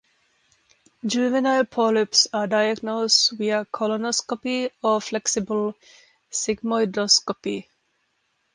Juvenile polyps are diagnosed via colonoscopy or flexible sigmoidoscopy.